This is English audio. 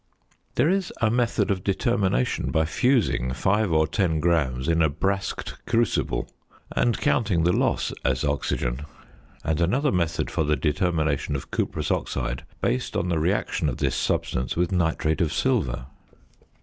There is a method of determination by fusing 5 or 10 grams in a brasqued crucible, and counting the loss as oxygen; and another method for the determination of cuprous oxide based on the reaction of this substance with nitrate of silver.